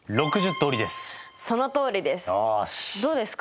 どうですか？